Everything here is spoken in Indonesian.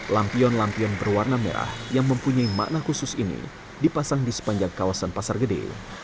lampion lampion berwarna merah yang mempunyai makna khusus ini dipasang di sepanjang kawasan pasar gede